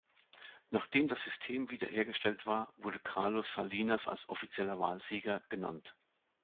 Nachdem das System wiederhergestellt war, wurde Carlos Salinas als offizieller Wahlsieger genannt.